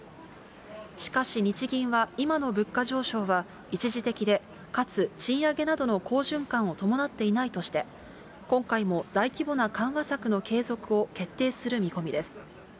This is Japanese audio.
しかし日銀は、今の物価上昇は一時的で、かつ賃上げなどの好循環を伴っていないとして、今回も大規模な緩和策の継続を決定する見込みです。